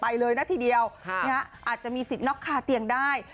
ไปเลยนักทีเดียวฮะนี่ฮะอาจจะมีสิทธิ์นอกคาเตียงได้